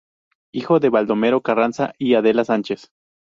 Hijo de Baldomero Carranza y Adela Sánchez.